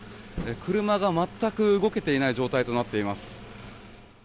車が全く動けていない状態となっています。